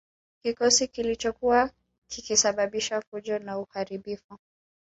Kikosi kilichokuwa kikisababisha fujo na uharibifu